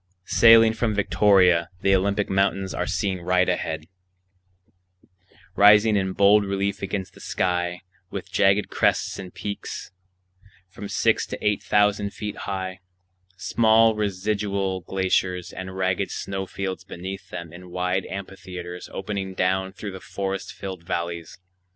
Sailing from Victoria, the Olympic Mountains are seen right ahead, rising in bold relief against the sky, with jagged crests and peaks from six to eight thousand feet high,—small residual glaciers and ragged snow fields beneath them in wide amphitheatres opening down through the forest filled valleys.